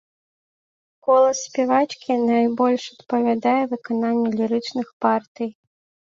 Голас спявачкі найбольш адпавядае выкананню лірычных партый.